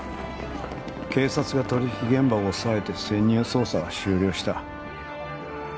警察が取引現場を押さえて潜入捜査は終了した。